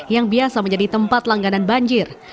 yang biasa menjadi tempat langganan banjir